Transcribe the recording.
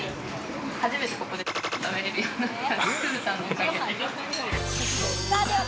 初めてここで食べれるようになった。